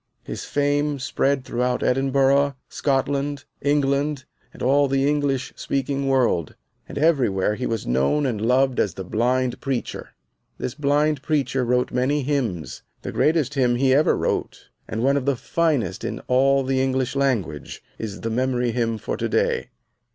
His fame spread throughout Edinburgh, Scotland, England, and all the English speaking world, and everywhere he was known and loved as the blind preacher. This blind preacher wrote many hymns. The greatest hymn he ever wrote, and one of the finest in all the English language, is the Memory Hymn for to day.